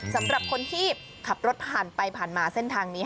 สำหรับคนที่ขับรถผ่านไปผ่านมาเส้นทางนี้